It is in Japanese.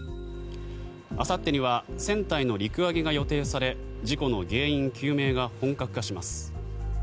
あさってには船体の陸揚げが予定され事故の原因究明が本格化します。